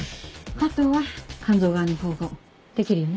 あとは肝臓側の縫合できるよね？